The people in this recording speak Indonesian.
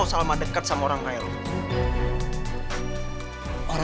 sama dekat sama orang kayak lu